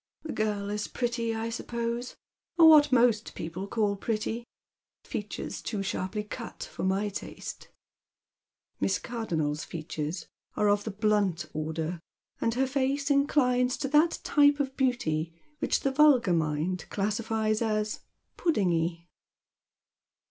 The girl is pretty, I suppose, or what most people call pretty. Features too sharply cut for my taste." Miss Cardonnel's features are of the blunt order, and her face inclines to tliat typo of beauty which the vulgar mind classifiea cs " puddingy."